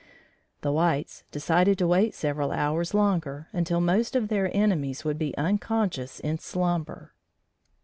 The whites decided to wait several hours longer until most of their enemies would be unconscious in slumber.